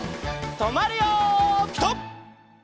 とまるよピタ！